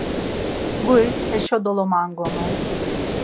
Guris heşo dolamangonu.